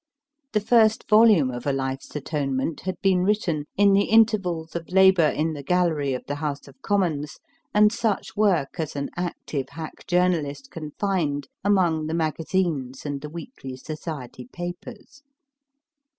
The first volume of A Life s Atonement had been written in the intervals of labour in the Gallery of the House of Commons, and such work as an active hack journalist can find among the magazines and the weekly society papers.